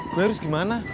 gua harus gimana